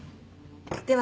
では